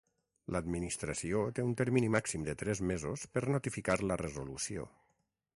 L'Administració té un termini màxim de tres mesos per notificar la resolució.